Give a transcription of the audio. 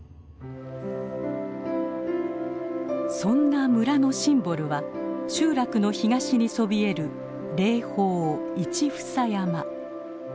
そんな村のシンボルは集落の東にそびえる霊峰